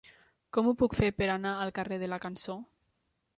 Com ho puc fer per anar al carrer de la Cançó?